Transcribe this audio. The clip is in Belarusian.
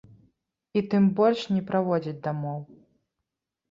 І тым больш, не праводзяць дамоў!